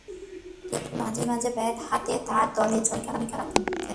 তিনি মাঝে মাঝে ব্যাট হাতে তার দলের জন্য ভূমিকা রাখতেন।